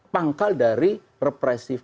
pangkal dari repressive